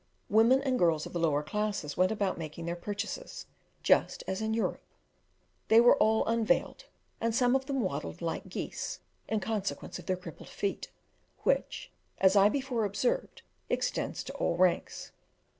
Women and girls of the lower classes went about making their purchases, just as in Europe. They were all unveiled, and some of them waddled like geese, in consequence of their crippled feet, which, as I before observed, extends to all ranks.